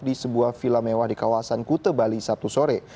di sebuah vila mewah di kawasan kute bali sabtu sore